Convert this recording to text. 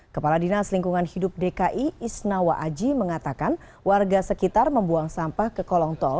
kepala dinas lingkungan hidup dki isnawa aji mengatakan warga sekitar membuang sampah ke kolong tol